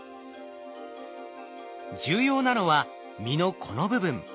重要なのは実のこの部分。